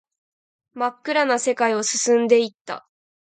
真っ暗な世界を進んでいった